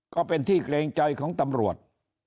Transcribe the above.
ก็เป็นที่เกรงใจของตำรวจ